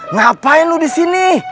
ngapain lu disini